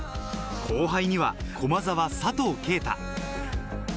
後輩には駒澤・佐藤圭汰。